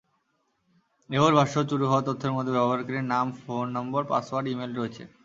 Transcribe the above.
ইয়াহুর ভাষ্য, চুরি হওয়া তথ্যের মধ্যে ব্যবহারকারীর নাম, ফোন নম্বর, পাসওয়ার্ড, ইমেইল রয়েছে।